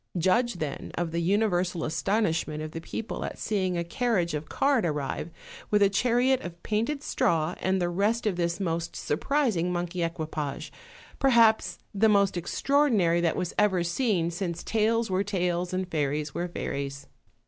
Judge, then, of the universal astonishment of the people at seeing a carriage of card arrive, with a chariot of painted straw, and the rest of this most sur 202 OLD, OLD FAIRY TALES. prising monkey equipage, perhaps the most extrordi nary that was ever seen since tales were tales and fairies were fairies.